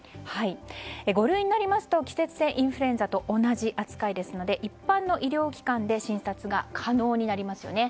五類になりますと季節性インフルエンザと同じ扱いですので一般の医療機関で診察が可能になりますよね。